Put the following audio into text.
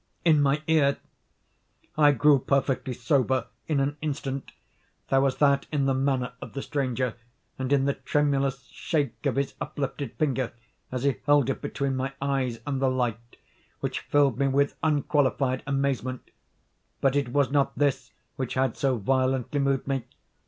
in my ear. I grew perfectly sober in an instant. There was that in the manner of the stranger, and in the tremulous shake of his uplifted finger, as he held it between my eyes and the light, which filled me with unqualified amazement; but it was not this which had so violently moved me.